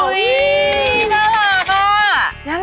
อุ้ยน่ารักอะ